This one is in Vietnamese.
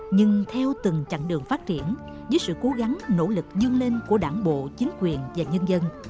nhưng theo từng chặng đường phát triển dưới sự cố gắng nỗ lực dương lên của đảng bộ chính quyền và nhân dân